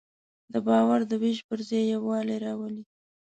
دا باور د وېش پر ځای یووالی راولي.